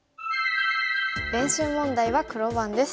練習問題は黒番です。